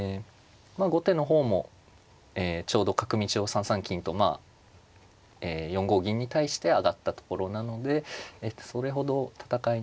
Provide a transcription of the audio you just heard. まあ後手の方もちょうど角道を３三金とまあ４五銀に対して上がったところなのでそれほど戦いにせずに。